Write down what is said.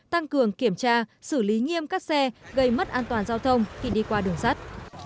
tăng cường kiểm tra xử lý nghiêm các xe gây mất an toàn giao thông khi đi qua đường sắt